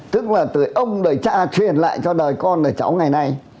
tức là từ ông đời cha truyền lại cho đời con là cháu ngày nay